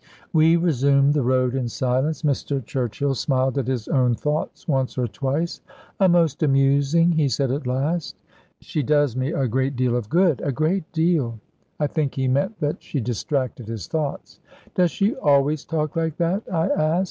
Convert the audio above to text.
We resumed the road in silence. Mr. Churchill smiled at his own thoughts once or twice. "A most amusing ..." he said at last. "She does me a great deal of good, a great deal." I think he meant that she distracted his thoughts. "Does she always talk like that?" I asked.